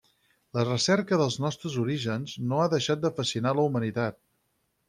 La recerca dels nostres orígens no ha deixat de fascinar la humanitat.